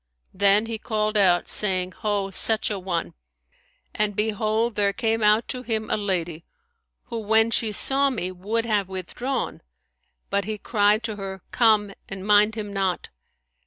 Then he called out, saying, Ho, such an one!'; and behold there came out to him a lady who, when she saw me, would have withdrawn; but he cried to her, Come, and mind him not.'